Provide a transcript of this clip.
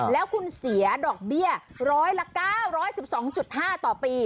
แล้วคุณเสียดอกเบี้ยร้อยละ๙๑๒๕ต่อปี